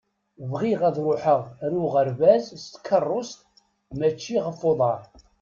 Bɣiɣ ad ṛuḥeɣ ar uɣerbaz s tkeṛṛust, mačči ɣef uḍaṛ.